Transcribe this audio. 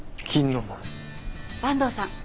坂東さん